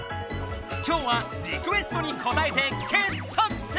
今日はリクエストにこたえて傑作選！